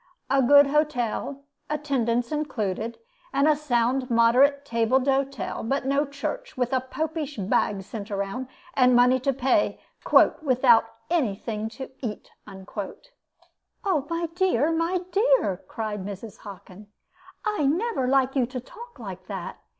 A good hotel, attendance included, and a sound and moderate table d'hote; but no church, with a popish bag sent round, and money to pay, 'without anything to eat.'" "My dear! my dear!" cried Mrs. Hockin, "I never like you to talk like that.